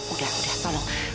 udah udah tolong